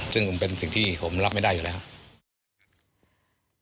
ซึ่งผมเป็นสิ่งที่ผมรับไม่ได้อยู่แล้ว